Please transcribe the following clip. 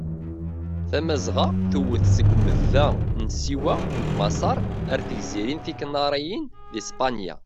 Tamazɣa tewwet seg umda n Siwa d Maseṛ ar d tigzirin tikaniriyin di Spanya.